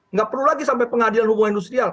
nggak perlu lagi sampai pengadilan hubungan industrial